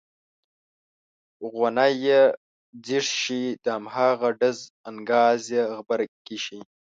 غونی یې ځیږ شي د هماغه ډز انګاز یې غبرګې شي.